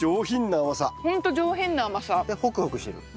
でホクホクしてる？